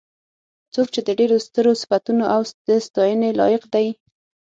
څوک د ډېرو سترو صفتونو او د ستاینې لایق دی.